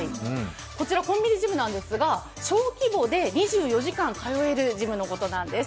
こちらコンビニジムなんですが小規模で２４時間通えるジムということなんです